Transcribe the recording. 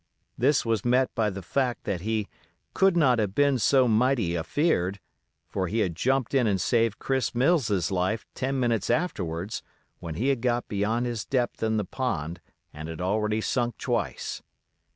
This was met by the fact that he "could not have been so mighty afeared," for he had jumped in and saved Chris Mills's life ten minutes afterward, when he got beyond his depth in the pond and had already sunk twice.